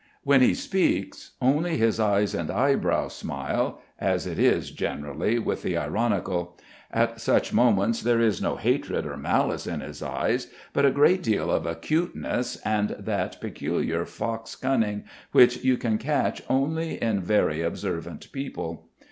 When he speaks only his eyes and eyebrows smile as it is generally with the ironical. At such moments there is no hatred or malice in his eyes but a great deal of acuteness and that peculiar fox cunning which you can catch only in very observant people.